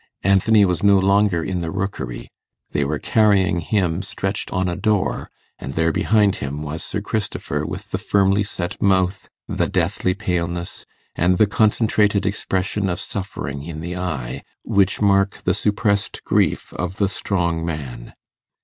Anthony was no longer in the Rookery: they were carrying him stretched on a door, and there behind him was Sir Christopher, with the firmly set mouth, the deathly paleness, and the concentrated expression of suffering in the eye, which mark the suppressed grief of the strong man.